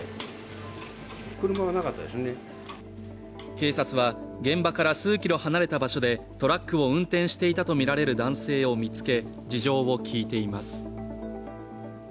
警察は現場から数キロ離れた場所でトラックを運転していたとみられる男性を見つけ、事情を聴いています。